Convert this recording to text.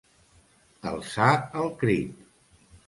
Alçar el crit.